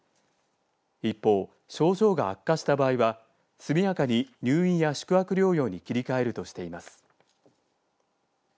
一方、症状が悪化した場合は速やかに入院や宿泊療養に切り替えるとしています。